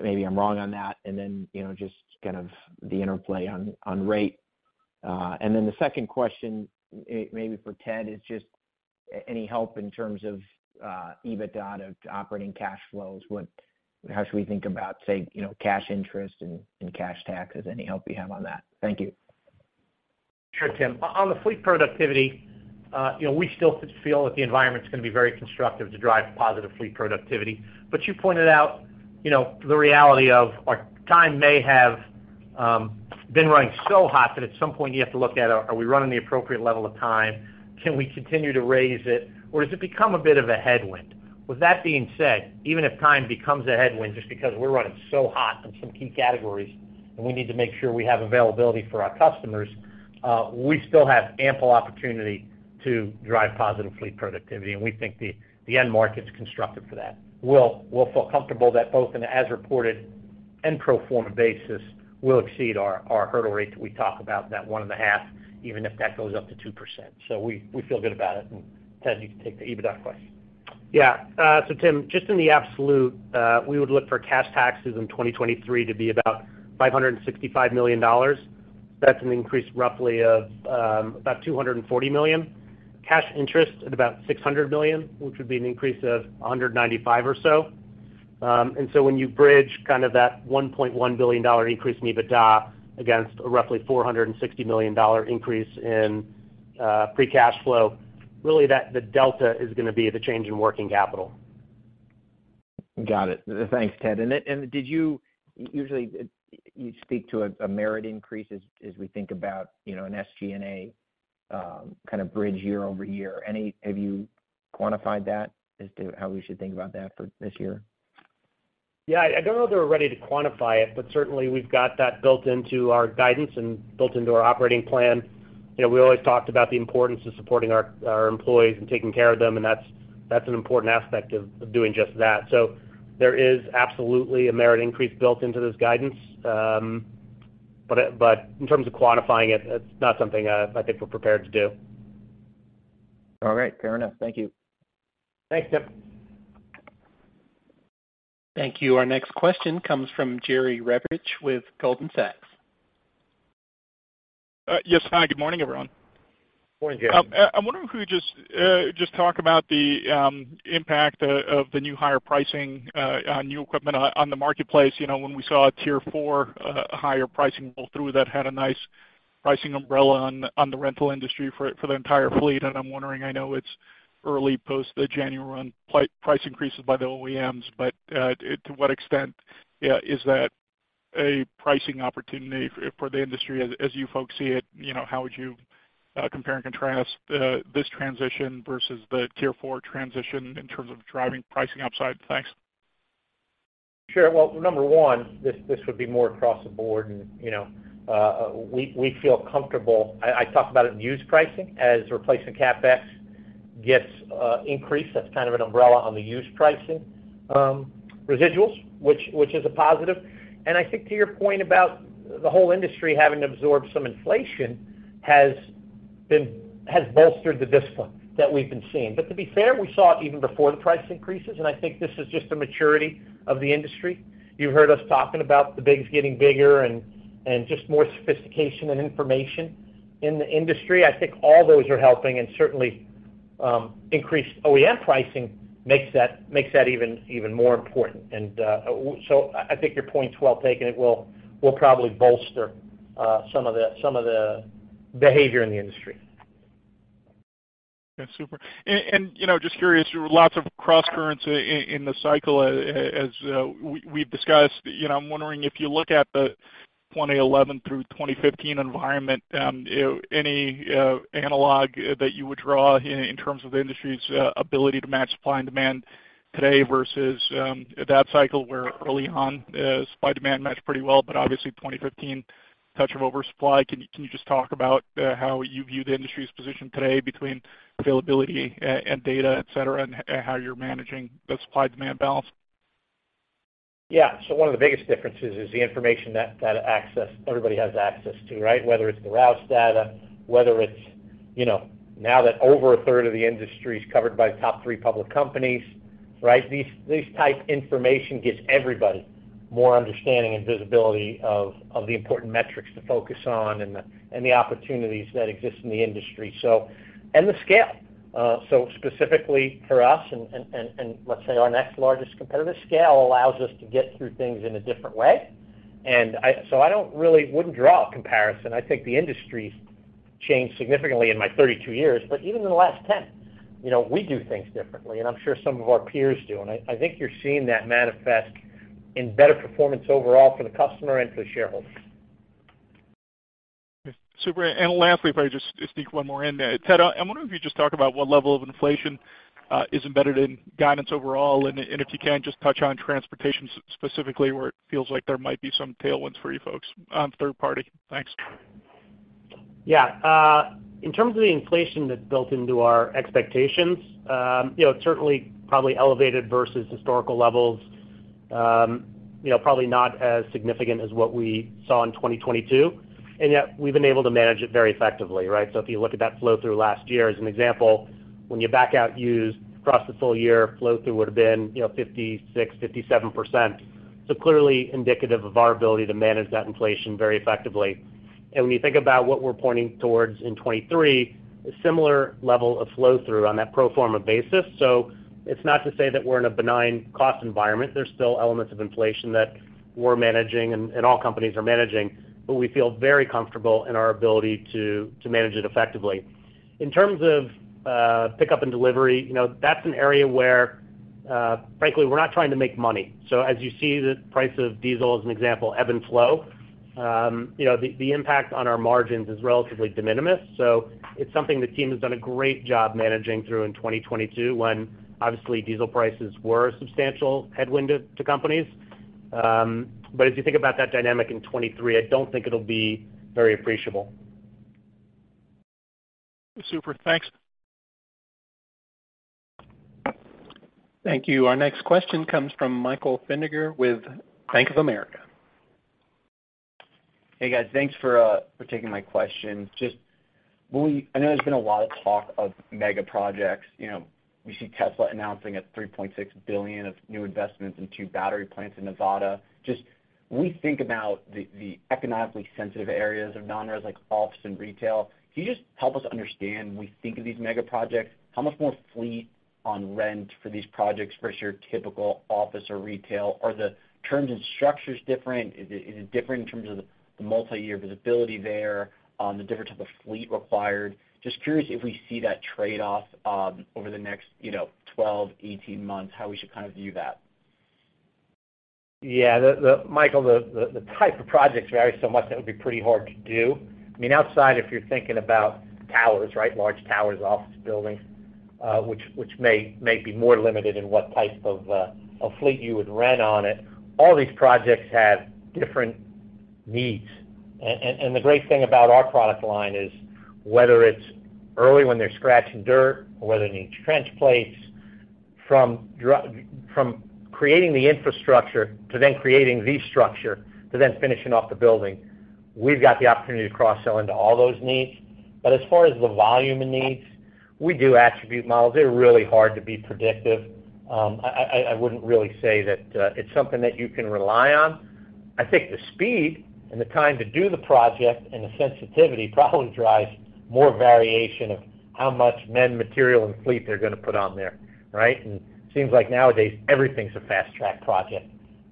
Maybe I'm wrong on that. Then, you know, just kind of the interplay on rate. Then the second question, maybe for Ted Grace, is just any help in terms of EBITDA to operating cash flows. How should we think about, say, you know, cash interest and cash taxes? Any help you have on that? Thank you. Sure, Tim. On the fleet productivity, you know, we still feel that the environment's gonna be very constructive to drive positive fleet productivity. You pointed out, you know, the reality of our time may have been running so hot that at some point you have to look at, are we running the appropriate level of time? Can we continue to raise it, or has it become a bit of a headwind? With that being said, even if time becomes a headwind just because we're running so hot in some key categories and we need to make sure we have availability for our customers, we still have ample opportunity to drive positive fleet productivity, and we think the end market's constructed for that. We'll feel comfortable that both in as reported and pro forma basis will exceed our hurdle rates that we talk about, that 1.5, even if that goes up to 2%. We feel good about it. Ted, you can take the EBITDA question. Yeah. Tim, just in the absolute, we would look for cash taxes in 2023 to be about $565 million. That's an increase roughly of about $240 million. Cash interest at about $600 million, which would be an increase of $195 million or so. When you bridge kind of that $1.1 billion increase in EBITDA against a roughly $460 million increase in free cash flow, really the delta is gonna be the change in working capital. Got it. Thanks, Ted. Usually you speak to a merit increase as we think about, you know, an SG&A kind of bridge year-over-year. Have you quantified that as to how we should think about that for this year? Yeah. I don't know that we're ready to quantify it. Certainly we've got that built into our guidance and built into our operating plan. You know, we always talked about the importance of supporting our employees and taking care of them. That's an important aspect of doing just that. There is absolutely a merit increase built into this guidance, but in terms of quantifying it's not something I think we're prepared to do. All right. Fair enough. Thank you. Thanks, Tim. Thank you. Our next question comes from Jerry Revich with Goldman Sachs. Yes, hi, good morning, everyone. Morning, Jerry. I'm wondering if you could just talk about the impact of the new higher pricing on new equipment on the marketplace. You know, when we saw a Tier 4 higher pricing pull through, that had a nice pricing umbrella on the rental industry for the entire fleet. I'm wondering, I know it's early post the January run price increases by the OEMs, but to what extent is that a pricing opportunity for the industry as you folks see it? You know, how would you compare and contrast this transition versus the Tier 4 transition in terms of driving pricing upside? Thanks. Sure. Well, number one, this would be more across the board and, you know, we feel comfortable. I talked about it in used pricing as replacement CapEx gets increased. That's kind of an umbrella on the used pricing, residuals, which is a positive. I think to your point about the whole industry having to absorb some inflation has bolstered the discipline that we've been seeing. To be fair, we saw it even before the price increases, and I think this is just a maturity of the industry. You've heard us talking about the bigs getting bigger and just more sophistication and information in the industry. I think all those are helping and certainly increased OEM pricing makes that even more important. So I think your point's well taken. It will probably bolster some of the behavior in the industry. Okay, super. You know, just curious, lots of crosscurrents in the cycle as we've discussed. You know, I'm wondering if you look at the 2011 through 2015 environment, you know, any analog that you would draw in terms of the industry's ability to match supply and demand today versus that cycle where early on supply and demand matched pretty well. Obviously, 2015, touch of oversupply. Can you just talk about how you view the industry's position today between availability and data, et cetera, and how you're managing the supply-demand balance? Yeah. One of the biggest differences is the information that everybody has access to, right? Whether it's the Rouse data, whether it's, you know, now that over a third of the industry is covered by top three public companies, right? These type information gives everybody more understanding and visibility of the important metrics to focus on and the opportunities that exist in the industry. The scale. Specifically for us and let's say our next largest competitor, scale allows us to get through things in a different way. I wouldn't draw a comparison. I think the industry's changed significantly in my 32 years, but even in the last 10, you know, we do things differently, and I'm sure some of our peers do. I think you're seeing that manifest in better performance overall for the customer and for the shareholders. Okay. Super. Lastly, if I just sneak one more in there. Ted, I wonder if you just talk about what level of inflation is embedded in guidance overall. If you can, just touch on transportation specifically, where it feels like there might be some tailwinds for you folks on third party. Thanks. Yeah. In terms of the inflation that's built into our expectations, you know, it's certainly probably elevated versus historical levels. You know, probably not as significant as what we saw in 2022. Yet we've been able to manage it very effectively, right? If you look at that flow-through last year as an example, when you back out used across the full year, flow-through would have been, you know, 56%, 57%. Clearly indicative of our ability to manage that inflation very effectively. When you think about what we're pointing towards in 2023, a similar level of flow-through on that pro forma basis. It's not to say that we're in a benign cost environment. There's still elements of inflation that we're managing and all companies are managing, but we feel very comfortable in our ability to manage it effectively. In terms of pickup and delivery, you know, that's an area where frankly, we're not trying to make money. As you see the price of diesel, as an example, ebb and flow, you know, the impact on our margins is relatively de minimis. It's something the team has done a great job managing through in 2022, when obviously diesel prices were a substantial headwind to companies. If you think about that dynamic in 2023, I don't think it'll be very appreciable. Super. Thanks. Thank you. Our next question comes from Michael Feniger with Bank of America. Hey, guys. Thanks for taking my question. I know there's been a lot of talk of mega projects. You know, we see Tesla announcing $3.6 billion of new investments in 2 battery plants in Nevada. Just when we think about the economically sensitive areas of non-res, like office and retail, can you just help us understand when we think of these mega projects, how much more fleet on rent for these projects versus your typical office or retail? Are the terms and structures different? Is it different in terms of the multi-year visibility there, the different type of fleet required? Just curious if we see that trade-off over the next, you know, 12, 18 months, how we should kind of view that. Michael, the type of projects vary so much that would be pretty hard to do. I mean, outside, if you're thinking about towers, right? Large towers, office buildings, which may be more limited in what type of fleet you would rent on it, all these projects have different needs. The great thing about our product line is whether it's early when they're scratching dirt or whether they need trench plates, from creating the infrastructure to then creating the structure to then finishing off the building, we've got the opportunity to cross-sell into all those needs. As far as the volume and needs, we do attribute models. They're really hard to be predictive. I wouldn't really say that it's something that you can rely on. I think the speed and the time to do the project and the sensitivity probably drives more variation of how much men, material, and fleet they're gonna put on there, right? Seems like nowadays everything's a fast-track project.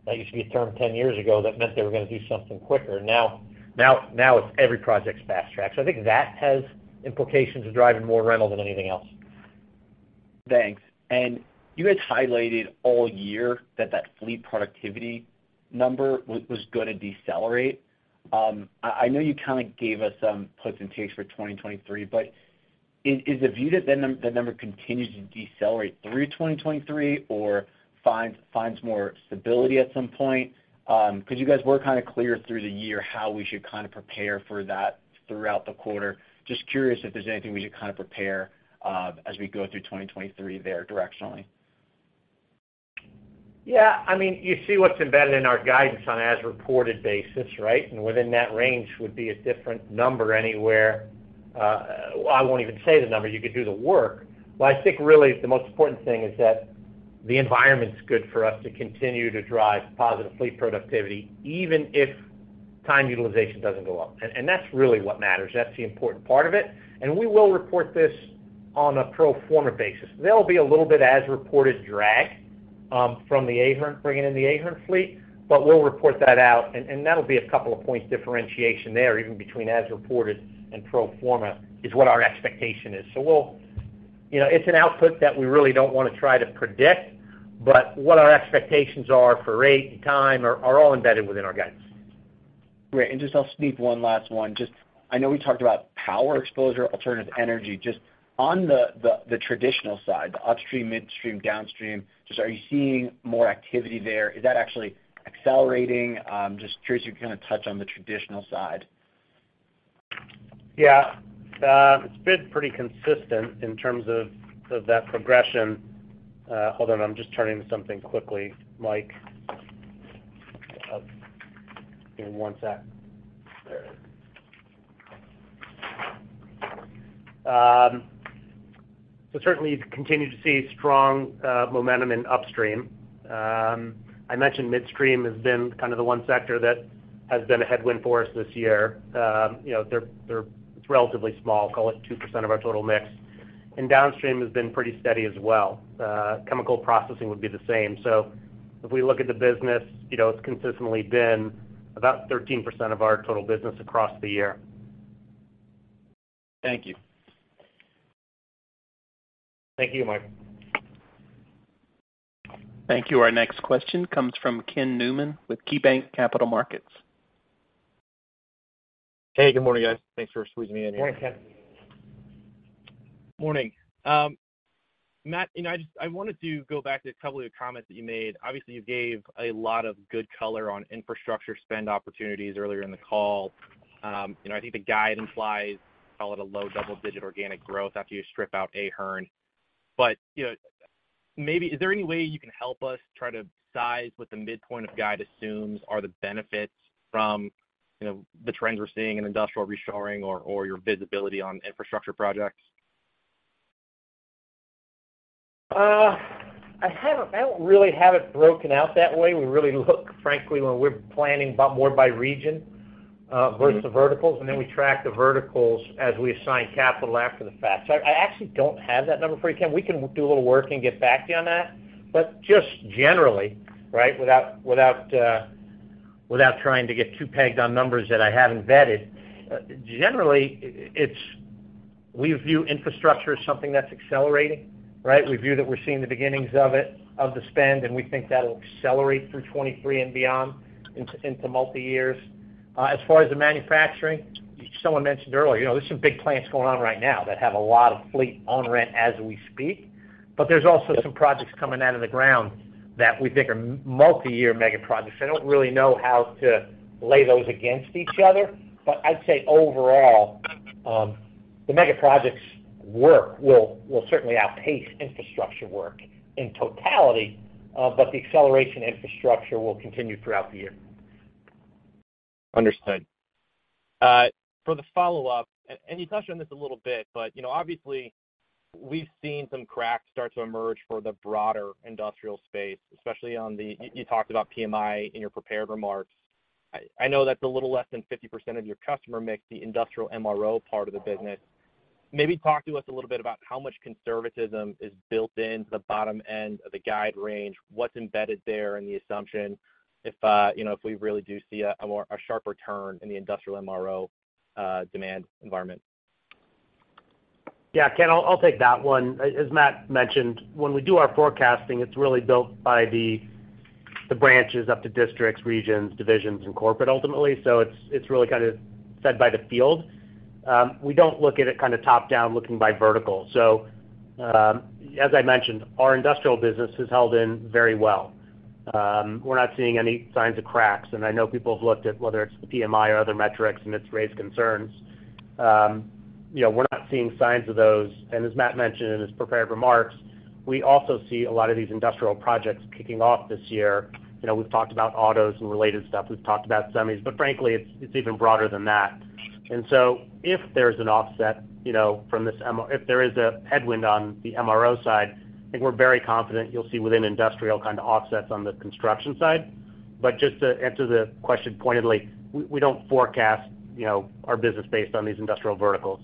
That used to be a term 10 years ago that meant they were gonna do something quicker. Now it's every project's fast track. So I think that has implications of driving more rental than anything else. Thanks. You guys highlighted all year that that fleet productivity number was gonna decelerate. I know you kind of gave us some puts and takes for 2023. Is the view that that number continues to decelerate through 2023 or finds more stability at some point? You guys were kind of clear through the year how we should kind of prepare for that throughout the quarter. Just curious if there's anything we should kind of prepare as we go through 2023 there directionally. Yeah. I mean, you see what's embedded in our guidance on as reported basis, right? Within that range would be a different number anywhere. I won't even say the number. You could do the work. I think really the most important thing is that the environment's good for us to continue to drive positive fleet productivity, even if time utilization doesn't go up. That's really what matters. That's the important part of it. We will report this on a pro forma basis. There'll be a little bit as reported drag from the Ahern, bringing in the Ahern fleet. We'll report that out. That'll be a couple of points differentiation there, even between as reported and pro forma is what our expectation is. We'll... You know, it's an output that we really don't wanna try to predict, but what our expectations are for rate and time are all embedded within our guidance. Great. Just I'll sneak one last one. Just I know we talked about power exposure, alternative energy, just on the traditional side, the upstream, midstream, downstream, just are you seeing more activity there? Is that actually accelerating? Just curious if you can kind of touch on the traditional side. Yeah. It's been pretty consistent in terms of that progression. Hold on, I'm just turning to something quickly, Mike. Give me 1 sec. There it is. Certainly you continue to see strong momentum in upstream. I mentioned midstream has been kind of the 1 sector that has been a headwind for us this year. You know, it's relatively small, call it 2% of our total mix. Downstream has been pretty steady as well. Chemical processing would be the same. If we look at the business, you know, it's consistently been about 13% of our total business across the year. Thank you. Thank you, Mike. Thank you. Our next question comes from Kenneth Newman with KeyBanc Capital Markets. Hey, good morning, guys. Thanks for squeezing me in here. Morning, Ken. Morning. Matt, you know, I wanted to go back to a couple of the comments that you made. Obviously, you gave a lot of good color on infrastructure spend opportunities earlier in the call. You know, I think the guidance flies call it a low double-digit organic growth after you strip out Ahern. You know, maybe is there any way you can help us try to size what the midpoint of guide assumes are the benefits from, you know, the trends we're seeing in industrial reshoring or your visibility on infrastructure projects? I haven't, I don't really have it broken out that way. We really look, frankly, when we're planning by more by region, versus the verticals, and then we track the verticals as we assign capital after the fact. I actually don't have that number for you, Ken. We can do a little work and get back to you on that. Just generally, right, without, without trying to get too pegged on numbers that I have embedded, generally, it's we view infrastructure as something that's accelerating, right? We view that we're seeing the beginnings of it, of the spend, and we think that'll accelerate through 2023 and beyond into multi-years. As far as the manufacturing, someone mentioned earlier, you know, there's some big plans going on right now that have a lot of fleet owner rent as we speak. There's also some projects coming out of the ground that we think are multi-year mega projects. I don't really know how to lay those against each other. I'd say overall, the mega projects work will certainly outpace infrastructure work in totality, but the acceleration infrastructure will continue throughout the year. Understood. For the follow-up, and you touched on this a little bit, but, you know, obviously, we've seen some cracks start to emerge for the broader industrial space, especially on the... You talked about PMI in your prepared remarks. I know that's a little less than 50% of your customer mix, the industrial MRO part of the business. Maybe talk to us a little bit about how much conservatism is built into the bottom end of the guide range. What's embedded there in the assumption if, you know, if we really do see a sharper turn in the industrial MRO, demand environment? Ken, I'll take that one. As Matt mentioned, when we do our forecasting, it's really built by the branches up to districts, regions, divisions, and corporate ultimately. So it's really kinda set by the field. We don't look at it kinda top-down looking by vertical. As I mentioned, our industrial business has held in very well. We're not seeing any signs of cracks, and I know people have looked at whether it's the PMI or other metrics, and it's raised concerns. You know, we're not seeing signs of those. As Matt mentioned in his prepared remarks, we also see a lot of these industrial projects kicking off this year. You know, we've talked about autos and related stuff. We've talked about semis. Frankly, it's even broader than that. If there's an offset, you know, from this if there is a headwind on the MRO side, I think we're very confident you'll see within industrial kinda offsets on the construction side. Just to answer the question pointedly, we don't forecast, you know, our business based on these industrial verticals.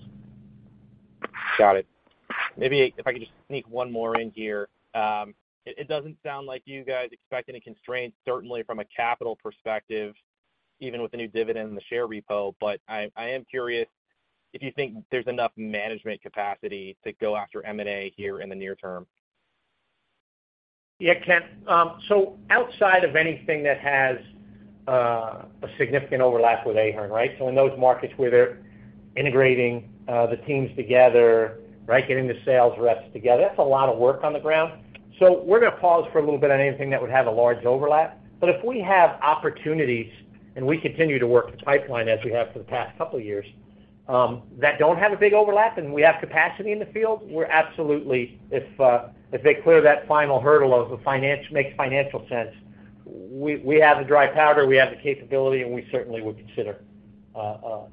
Got it. Maybe if I could just sneak one more in here. It doesn't sound like you guys expect any constraints, certainly from a capital perspective, even with the new dividend and the share repo. I am curious if you think there's enough management capacity to go after M&A here in the near term. Yeah, Ken. Outside of anything that has a significant overlap with Ahern, right? In those markets where they're integrating the teams together, right, getting the sales reps together, that's a lot of work on the ground. We're gonna pause for a little bit on anything that would have a large overlap. If we have opportunities, and we continue to work the pipeline as we have for the past couple years, that don't have a big overlap and we have capacity in the field, we're absolutely, if they clear that final hurdle of the makes financial sense, we have the dry powder, we have the capability, and we certainly would consider.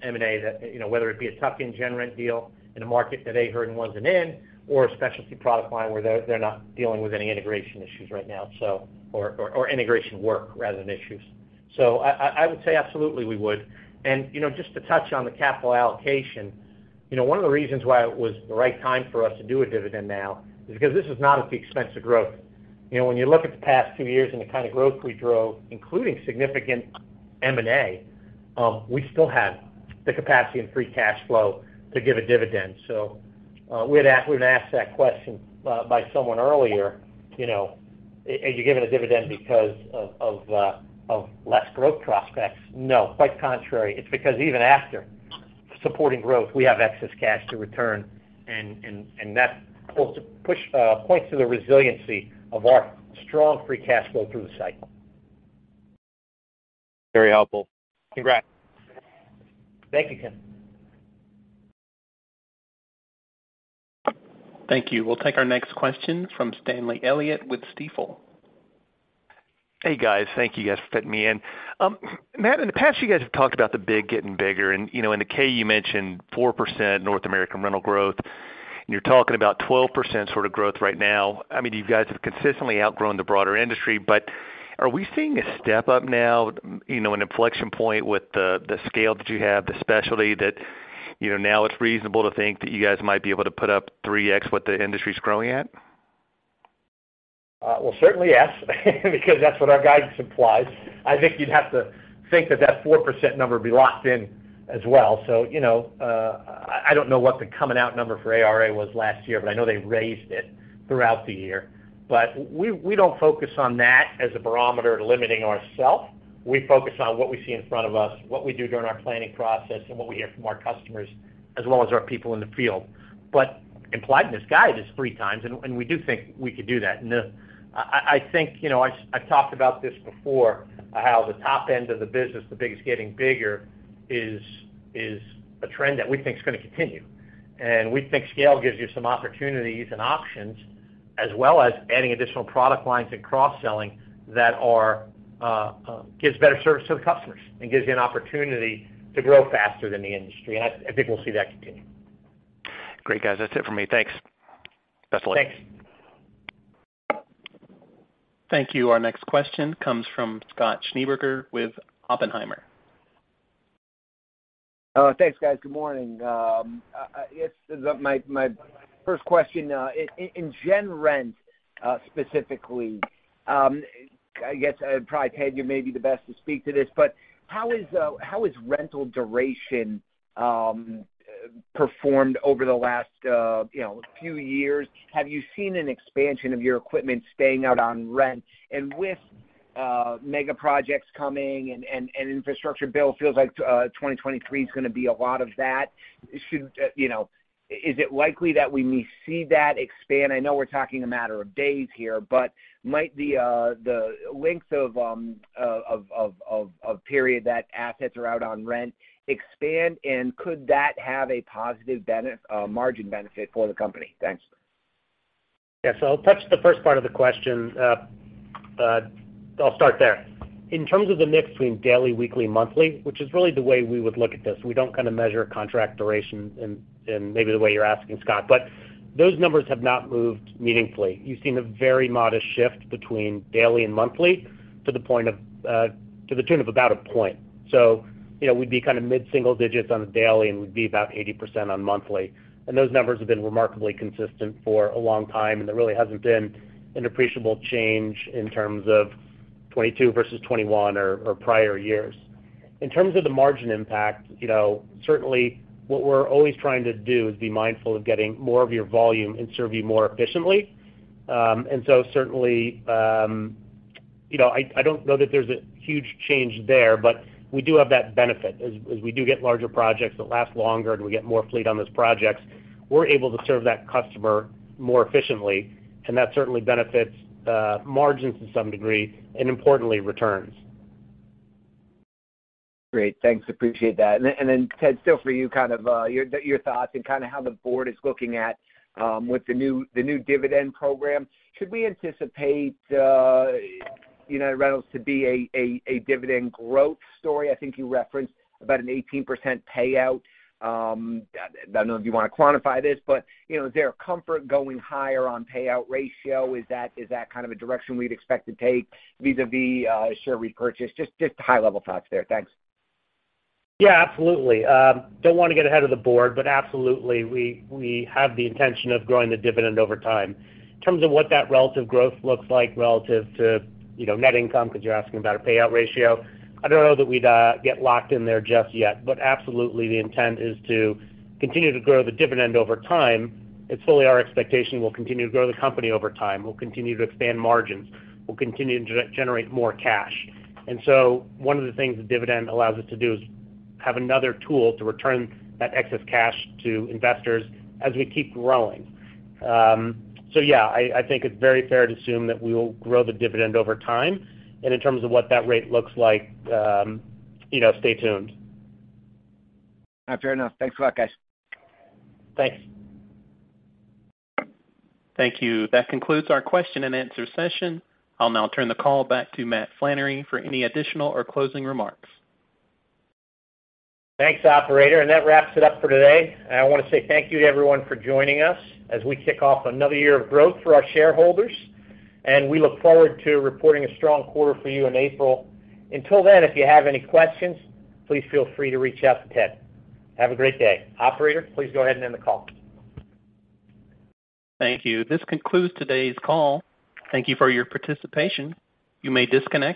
M&A that, you know, whether it be a tuck-in gen rent deal in a market that Ahern wasn't in or a specialty product line where they're not dealing with any integration issues right now, so. Integration work rather than issues. I would say absolutely we would. You know, just to touch on the capital allocation, you know, one of the reasons why it was the right time for us to do a dividend now is because this is not at the expense of growth. You know, when you look at the past two years and the kind of growth we drove, including significant M&A, we still have the capacity and free cash flow to give a dividend. We'd asked that question by someone earlier, you know, are you giving a dividend because of less growth prospects? No, quite contrary. It's because even after supporting growth, we have excess cash to return and that points to the resiliency of our strong free cash flow through the cycle. Very helpful. Congrats. Thank you, Ken. Thank you. We'll take our next question from Stanley Elliott with Stifel. Hey, guys. Thank you guys for fitting me in. Matt, in the past, you guys have talked about the big getting bigger and, you know, in the K you mentioned 4% North American rental growth, and you're talking about 12% sort of growth right now. I mean, you guys have consistently outgrown the broader industry. Are we seeing a step up now, you know, an inflection point with the scale that you have, the specialty that, you know, now it's reasonable to think that you guys might be able to put up 3x what the industry's growing at? We'll certainly yes, because that's what our guidance implies. I think you'd have to think that that 4% number would be locked in as well. You know, I don't know what the coming out number for ARA was last year, but I know they raised it throughout the year. We don't focus on that as a barometer limiting ourself. We focus on what we see in front of us, what we do during our planning process, and what we hear from our customers as well as our people in the field. Implied in this guide is 3 times, and we do think we could do that. I think, you know, I've talked about this before, how the top end of the business, the biggest getting bigger is a trend that we think is gonna continue. We think scale gives you some opportunities and options as well as adding additional product lines and cross-selling that are, gives better service to the customers and gives you an opportunity to grow faster than the industry. I think we'll see that continue. Great, guys. That's it for me. Thanks. That's the way. Thanks. Thank you. Our next question comes from Scott Schneeberger with Oppenheimer. Thanks, guys. Good morning. Yes, so my first question, in gen rent, specifically, I guess probably Ted, you may be the best to speak to this, but how is rental duration performed over the last, you know, few years? Have you seen an expansion of your equipment staying out on rent? With mega projects coming and infrastructure bill, it feels like 2023 is gonna be a lot of that. Should, you know... Is it likely that we may see that expand? I know we're talking a matter of days here, but might the length of period that assets are out on rent expand, and could that have a positive margin benefit for the company? Thanks. Yes. I'll touch the first part of the question. I'll start there. In terms of the mix between daily, weekly, monthly, which is really the way we would look at this, we don't kinda measure a contract duration in maybe the way you're asking, Scott. Those numbers have not moved meaningfully. You've seen a very modest shift between daily and monthly to the tune of about 1 point. You know, we'd be kind of mid-single digits on a daily, and we'd be about 80% on monthly. Those numbers have been remarkably consistent for a long time, and there really hasn't been an appreciable change in terms of 2022 versus 2021 or prior years. In terms of the margin impact, you know, certainly what we're always trying to do is be mindful of getting more of your volume and serve you more efficiently. Certainly, you know, I don't know that there's a huge change there, but we do have that benefit. As we do get larger projects that last longer and we get more fleet on those projects, we're able to serve that customer more efficiently, and that certainly benefits margins to some degree and importantly, returns. Great. Thanks. Appreciate that. Then, Ted, still for you kind of your thoughts and kinda how the board is looking at with the new dividend program. Should we anticipate United Rentals to be a dividend growth story? I think you referenced about an 18% payout. I don't know if you wanna quantify this, but, you know, is there a comfort going higher on payout ratio? Is that kind of a direction we'd expect to take vis-a-vis share repurchase? Just high-level thoughts there. Thanks. Yeah, absolutely. Don't wanna get ahead of the board, but absolutely, we have the intention of growing the dividend over time. In terms of what that relative growth looks like relative to, you know, net income, 'cause you're asking about a payout ratio, I don't know that we'd get locked in there just yet. Absolutely, the intent is to continue to grow the dividend over time. It's fully our expectation we'll continue to grow the company over time. We'll continue to expand margins. We'll continue to generate more cash. One of the things the dividend allows us to do is have another tool to return that excess cash to investors as we keep growing. Yeah, I think it's very fair to assume that we will grow the dividend over time. In terms of what that rate looks like, you know, stay tuned. Fair enough. Thanks a lot, guys. Thanks. Thank you. That concludes our question and answer session. I'll now turn the call back to Matt Flannery for any additional or closing remarks. Thanks, operator, that wraps it up for today. I wanna say thank you to everyone for joining us as we kick off another year of growth for our shareholders. We look forward to reporting a strong quarter for you in April. Until then, if you have any questions, please feel free to reach out to Ted. Have a great day. Operator, please go ahead and end the call. Thank you. This concludes today's call. Thank you for your participation. You may disconnect.